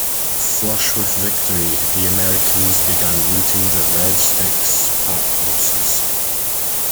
Flush with victory, the Americans began looting the Red Sticks' pack-horses.